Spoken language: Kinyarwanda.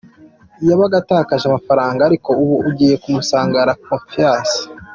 Yabaga atakaje amafaranga ariko ubu agiye kumusanga La Confiance.